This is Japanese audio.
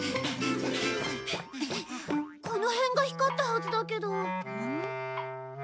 この辺が光ったはずだけど。